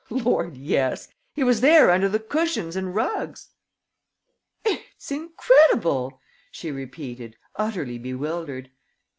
"Lord, yes! He was there, under the cushions and rugs!" "It's incredible!" she repeated, utterly bewildered.